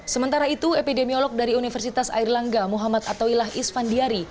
sementara itu epidemiolog dari universitas air langga muhammad atawilah isfandiari